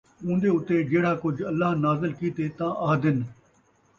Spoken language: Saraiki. اوندے اُتے جِہڑا کُجھ اللہ نازل کِیتے، تاں آہدن،